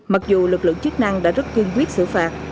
mặc dù lực lượng chức năng đã rất cương quyết xử phạt